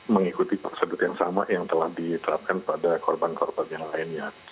mengikuti prosedur yang sama yang telah diterapkan pada korban korban yang lainnya